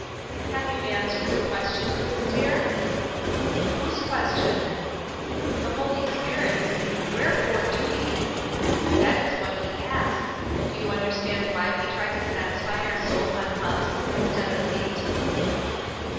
"Have you answered the question, Ruth, dear?" " Whose question ?" ''The Holy Spirit's — Wherefore, do ye? ^'Eearken Unto Jfe." 876 That is what he asks. Do you understand why we try to satisfy our souls on husks, instead of wheat